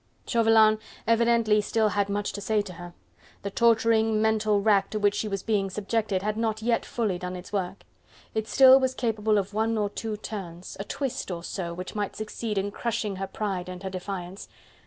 Chauvelin evidently had still much to say to her: the torturing, mental rack to which she was being subjected had not yet fully done its work. It still was capable of one or two turns, a twist or so which might succeed in crushing her pride and her defiance.